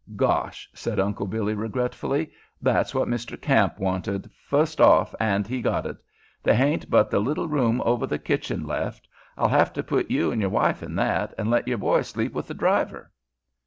"Gosh!" said Uncle Billy, regretfully. "That's what Mr. Kamp wanted, fust off, an' he got it. They hain't but th' little room over th' kitchen left. I'll have to put you an' your wife in that, an' let your boy sleep with th' driver."